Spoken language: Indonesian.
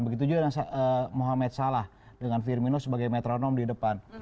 begitu juga dengan muhammad salah dengan firmino sebagai metronom di depan